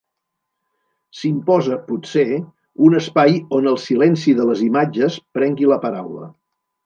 S'imposa, potser, un espai on el silenci de les imatges prengui la paraula.